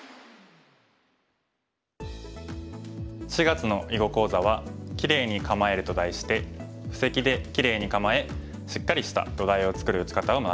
４月の囲碁講座は「キレイに構える」と題して布石でキレイに構えしっかりした土台を作る打ち方を学びます。